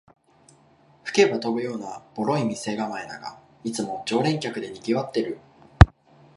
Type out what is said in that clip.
吹けば飛ぶようなボロい店構えだが、いつも常連客でにぎわってる